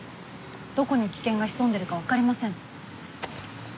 どこに危険が潜んでるか分かりません。